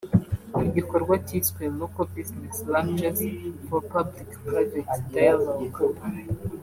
mu gikorwa cyiswe Local business lunches for Public-Private Dialogue